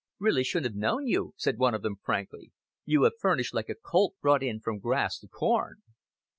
"Really shouldn't have known you," said one of them frankly. "You have furnished like a colt brought in from grass to corn."